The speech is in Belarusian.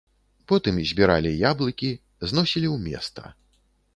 Потым збіралі яблыкі, зносілі ў места.